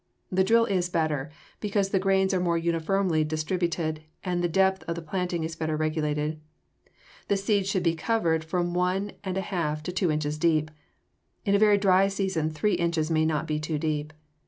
The drill is better, because the grains are more uniformly distributed and the depth of planting is better regulated. The seeds should be covered from one and a half to two inches deep. In a very dry season three inches may not be too deep.